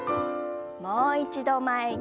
もう一度前に。